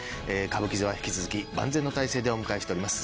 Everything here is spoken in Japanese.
歌舞伎座は引き続き万全の体制でお迎えしております。